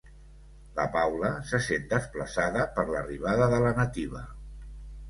La Paula se sent desplaçada per l'arribada de la nativa.